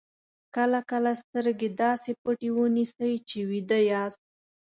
کله کله سترګې داسې پټې ونیسئ چې ویده یاست.